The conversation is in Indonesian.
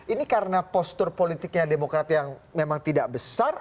ini karena postur politiknya demokrat yang memang tidak besar